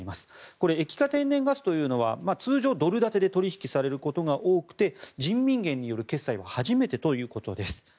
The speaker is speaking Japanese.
これ、液化天然ガスというのは通常、ドル建てで取引されることが多くて人民元による決済は初めてということです。